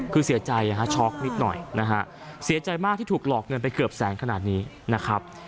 คือเสียใจนะฮะช็อกนิดหน่อยนะฮะเสียใจมากที่ถูกหลอกเงินไปเกือบแสนขนาดนี้นะครับ